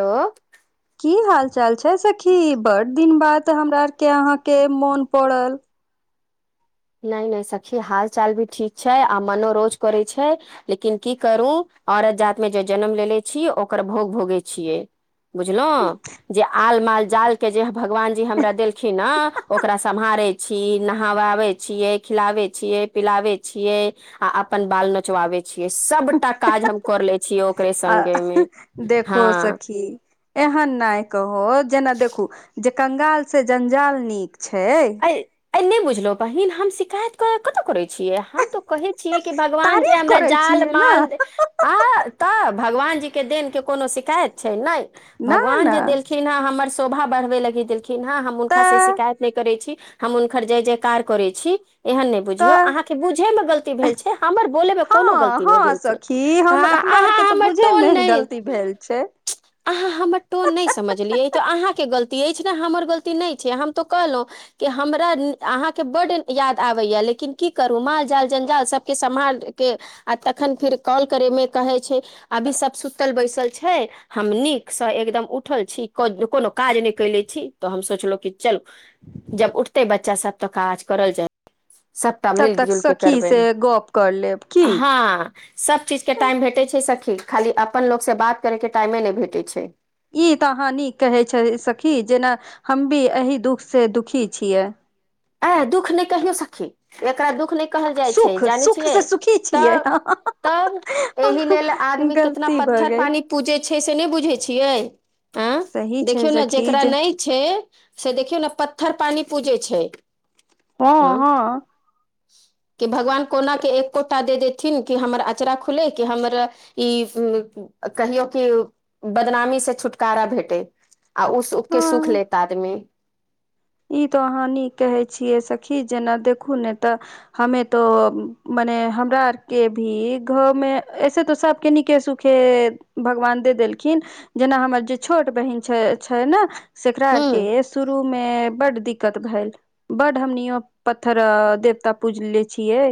hello की हाल चाल छै सखी बड़ दिन बाद हमरा आर के अहाँके मोन पड़ल नय नय सखी हाल चाल भी ठीक छै आ मनो रोज करै छै लेकिन की करूऔरत जातमे जे जन्म ले ले छि ओकर भोग भोगे छियै बुझलो जे आल माल जाल के जे भगवान जी हमरा देलखिन ने ओकरा सम्हारे छी नहवाबे छी छियै खिलाबै छियै पिलाबै छियै आ अपन बाल नोचवाबै छियै सबटा काज हम करले छियै ओकरे आ संगे मे हा देखो सखी एहन नय कहू जेना देखू जे कंगाल से जंजाल नीक छै [unintelligible] ऐय नय बुझलो बहिन हम शिकायत कर कत करे छिय हम तऽ कहे छियै कि भगवान जे तारीफ हमरा करै जान छियै ने माल आऽ तऽ भगवान जी के देने कोनो शिकायत छै नय न भगवान न जे देलखिन हैं हमर शोभा बढ़ाबै लगी देलखिन हैं हम हुनका स तऽ शिकायत नय छी हम हुनकर जय जयकार करै छी एहन नय बुझियो तऽ अहाँके बुझै मे गलती भेल छै हमर बोलै मे हँ कोनो गलती नय हँ भेल छै सखी हँ हमरा अर के अहाँ तऽ हमर बुझै टोन में नहि गलती भेल छै अहाँ हमर टोन नय समझलियै तऽ अहाँके गलती ऐछ न कि हमर गलती नय छै हम तऽ कहलो कि हमरा अहाँक बड्ड याद आवैय लेकिन की करू माल जाल जंजाल सब के सम्हाल के आ तखन फिर कॉल करै मे कहै छै अभी सब सुतल बैसल छय हम नीक स एकदम उठल छी कोनो काज नय कएले छी तऽ हम सोचलो कि चलू जब उठतै बच्चा सभ तऽ काज करल जाए सबटा तब मिल तक जुल कऽ सखी से करबैह गप कर लेब की ह सब चीज के टाइम भेटैत छै सखी खाली अपन लोक से बात करय के टाइमे नय भेटै छै ई तऽ अहाँ नीक कहै छी सखी जेना हमहुँ एही दुख से दुखी छीय ऐह दुःख नय कहियो सखी एकरा दुःख नय कहल जाय छै सुख जानै सुख छियै से सुखी छियै तऽ तब एहि लेल आदमी केते एतना गलती भऽ पत्थर गेल पानी पूजै छै से नय बुझै छियै ए सही छै देखियौ ने सखी जेकरा जे नय छै से देखियौ ने पत्थर पानी पूजै छैय हँ हँ की भगवान कोना के एकोटा दे देथिन कि हमर अचरा खुलै कि हमर ई कहियो कि बदनामी से छुटकारा भेटे आ ओ के सुख के सुख हँ लेत आदमी ई तो अहाँ नीक कहै छिऐ सखी जेना देखू ने तऽ हमे तऽ मने हमरा अर के भी घर मे ऐसे तऽ सबके नीके सुखे खे भगवान दे देलखिन जेना हमर जे छोट बहिन छै छै न सेकरा ह आर के शुरू मे बड दिक्कत भेल बड हमनिओ पत्थर देवता पूजले छियै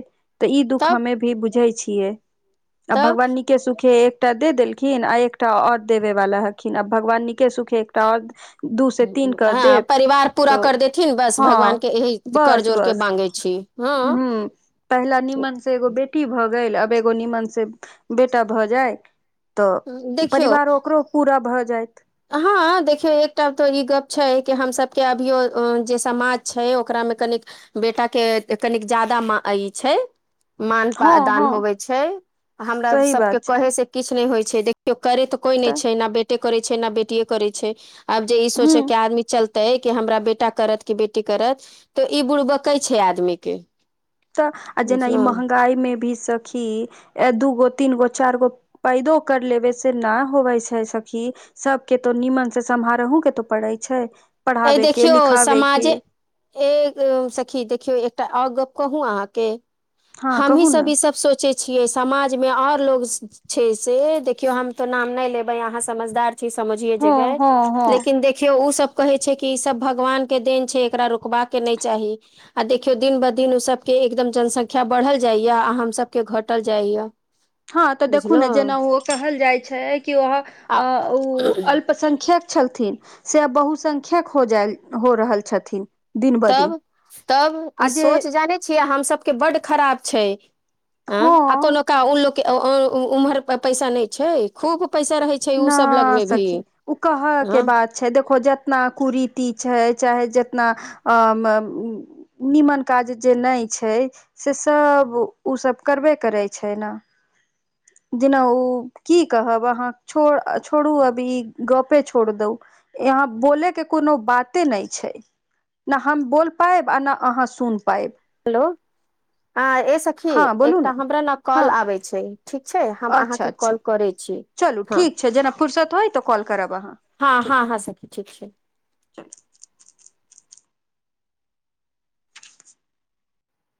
तऽ ई दुःख तब हमे भी बुझे छियै आ तब भगवान नीक नीके सुखे एकटा दे देलखिन आ एकटा ओर देबेवाला हखीन आ भगवान निके सुखे एकटा ओर दू से तीन कऽ हँ देत परिवार पूरा कऽ देथिन बस भगवान के एहि कर बस जोर कऽ बस माँगे छी हँ हूँ पहिला नीमन से एगो बेटी भऽ गेल अब एगो नीमन से बेटा भऽ जाय तऽ परिवार ओकरो पूरा भऽ जायत हाँ देखियौ एकटा तऽ ई गप छै कि हमसभ के अभियाे जे समाज छै ओकरा मे कनिक बेटा के तनिक ज्यादा माय ई छैय मान पा हँ दान हँ होबे छै हमरा सही सबके बात छै कहे से किछ नय होइ छै देख केओ करै तऽ कोइ नय छै ने बेटे करै छै ने बेटिए करै छै आब जे ई हूँ सोचै कि आदमी चलते ते कि हमरा बेटा करत कि बेटी करत तऽ ई बुड़बकइ छै आदमी के आ जेना ई बुझलहु महगाई मे भी सखी दू गो तीन गो चार गो पैदो कर लेबे से ना होवै छै सखी सबके तो निमन से समहारोह के तो पड़े छै एहि पढ़ाबे के देखियौ लिखाबे समाजे के ए सखी देखियौ एकटा ओर गप कहू अहाँके हँ हमी कहू ने सब ई सब सोच सोच छियै समाज मे आओर लोग छै से देखियौ हम तो नाम नय लेबै अहाँ समझदार समझए हँ जबाई हँ हँ लेकिन देखियौ उ सब कहै छै कि ई सब भगवान के देन छै एकरा रुकबाक के नय चाही आ देखियो दिन ब दिन ओ सबके एकदम जनसंख्या बढ़ल जाया आ हम सबके घटल जाया [inaudible] हँ तऽ देखू ने जेना ओ कहल जाइ छै कि व आ ओ अल संख्यक छलथिन से आ बहुसंख्यक हो जा हो रहल छथिन दिन ब दिन तब तब आ ई जे सोच जानै छियै हम सभके बड्ड खराब छै आ आ हँ कोनो का लोकके उम्हर पर पैसा नय छै खूब पैसा रहै छै ओ न सब लगमे भी सखी ओ कहऽ हँ के बात छै देखो जेितना कुरीति छै चाहे जेितना अ म नीमन काज जे नय छै से सभ उ सभ करबे करै छै न जेना ओ की कहब अहाँ छो छोड़ू अभी गपे छोड़ दो यहाँ बोले के कोनो बाते नय छै ना हम बोल पायब आ ना अहाँ सुन पायब हेलो ए सखी हँ बोलू एकटा हमरा ने कॉल हँ आबै छै ठीक छै हम अच्छा अहाँके अच्छा कॉल करै छी चलू हँ ठीक छै जेना फुरसत होय तऽ कॉल करब अहाँ हँ ठीक हँ हँ सखी ठीक छै [unintelligible]